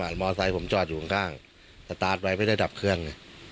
มอไซค์ผมจอดอยู่ข้างสตาร์ทไว้ไม่ได้ดับเครื่อง